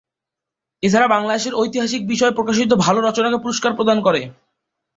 এছাড়া বাংলাদেশের ইতিহাস বিষয়ক প্রকাশিত ভালো রচনাকে পুরস্কার প্রদান করে।